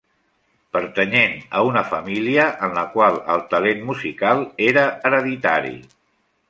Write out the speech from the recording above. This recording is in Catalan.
Pertanyent a una família en la qual el talent musical era hereditari.